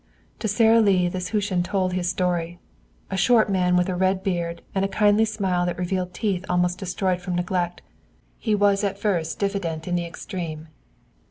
To Sara Lee this Hutin told his story. A short man with a red beard and a kindly smile that revealed teeth almost destroyed from neglect, he was at first diffident in the extreme.